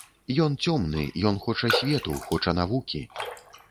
Ён цёмны, ён хоча свету, хоча навукі.